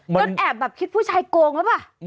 จนแอบแบบคิดผู้ชายโกงหรือเปล่า